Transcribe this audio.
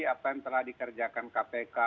apa yang telah dikerjakan kpk